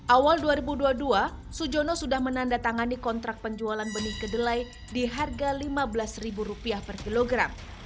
awal dua ribu dua puluh dua sujono sudah menandatangani kontrak penjualan benih kedelai di harga rp lima belas per kilogram